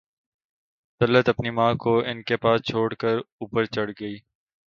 طلعت اپنی ماں کو ان کے پاس چھوڑ کر اوپر چڑھ گئی